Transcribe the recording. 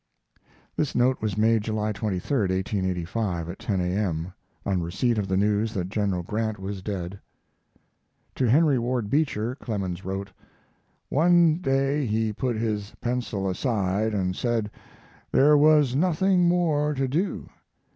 This note was made July 23, 1885, at 10 A.M., on receipt of the news that General Grant was dead. To Henry Ward Beecher, Clemens wrote: One day he put his pencil aside and said there was nothing more to do.